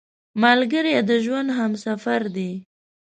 ملګری د ژوند همسفر دی